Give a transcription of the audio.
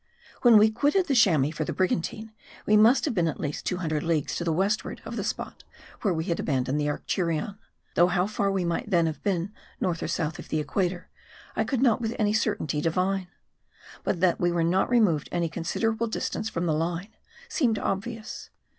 WHEN we quitted the Chamois for the brigantine, we must have been at least two hundred leagues to the west ward of the spot, where we had abandoned the Arcturion. Though how far we might then have been, North or South of the Equator, I could not with any certainty divine. But that we were not removed any considerable distance from the Line, seemed obvious.